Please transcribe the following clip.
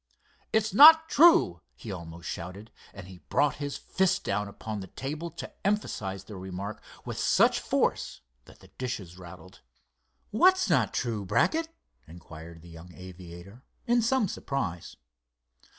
"It's not true!" he almost shouted, and he brought his fist down upon the table to emphasize the remark with such force that the dishes rattled. "What's not true, Brackett?" inquired the young aviator, in some surprise.